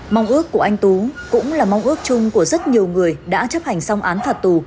mong ước của anh tú cũng là mong ước chung của rất nhiều người đã chấp hành xong án phạt tù